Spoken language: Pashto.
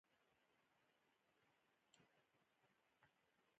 ولایتونه د افغانستان یو ډول طبعي ثروت دی.